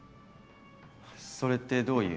それってどういう。